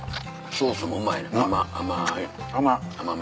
ソースもうまい甘い。